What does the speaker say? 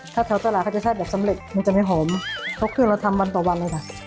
ถ้าแถวตลาดเขาจะแช่แบบสำเร็จมันจะไม่หอมเขาคือเราทำวันต่อวันเลยค่ะ